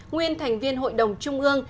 nguyên thành viên hội đồng trung ương